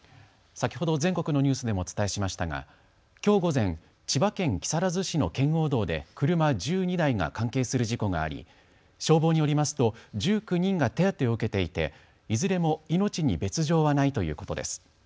先ほど全国のニュースでもお伝えしましたがきょう午前、千葉県木更津市の圏央道で車１２台が関係する事故があり消防によりますと１９人が手当てを受けていていずれも命に別状はないということです。